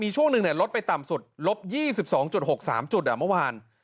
ช่วงหนึ่งลดไปต่ำสุดลบ๒๒๖๓จุดเมื่อวาน